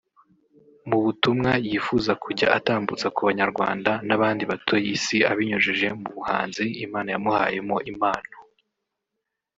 Mu butumwa yifuza kujya atambutsa ku banyarwanda n’abandi batuye isi abinyujije mu buhanzi Imana yamuhayemo impano